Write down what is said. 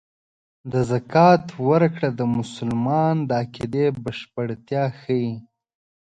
د زکات ورکړه د مسلمان د عقیدې بشپړتیا ښيي.